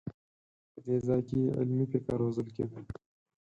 په دې ځای کې علمي فکر روزل کېده.